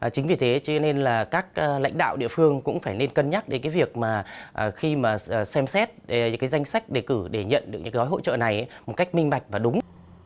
chính vì thế các lãnh đạo địa phương cũng phải nên cân nhắc đến việc xem xét danh sách đề cử để nhận được những gói hỗ trợ này một cách minh mạch và đúng